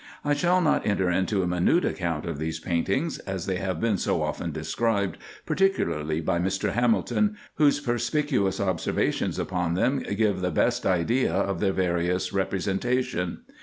I shall not enter into a minute account of these paintings, as they have been so often described, particularly by Mr. Hamilton, whose perspicuous observations upon them give the best idea of their various representation.